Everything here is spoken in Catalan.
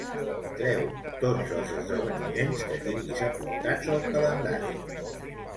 Treu tots els esdeveniments que tingui apuntats al calendari.